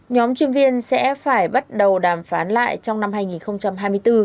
nhóm chuyên viên sẽ phải bắt đầu đàm phán lại trong năm hai nghìn hai mươi bốn